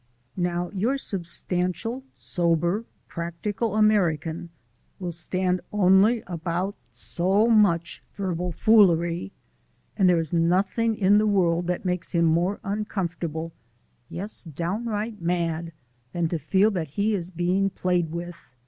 Now your substantial, sober, practical American will stand only about so much verbal foolery; and there is nothing in the world that makes him more uncomfortable yes, downright mad! than to feel that he is being played with.